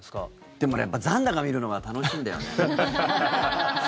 でも、やっぱり残高見るのが楽しいんだよね。